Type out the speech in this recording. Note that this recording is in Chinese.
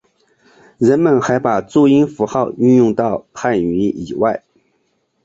人们还把注音符号运用到汉语以外。